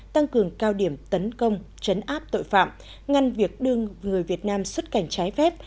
tăng cường cao điểm tấn công chấn áp tội phạm ngăn việc đưa người việt nam xuất cảnh trái phép